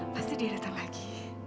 pasti dia datang lagi